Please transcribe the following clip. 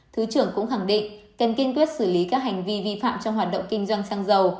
thứ trưởng cũng khẳng định cần kiên quyết xử lý các hành vi vi phạm trong hoạt động kinh doanh xăng dầu